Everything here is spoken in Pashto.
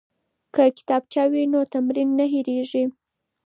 که کتابچه وي نو تمرین نه هیریږي.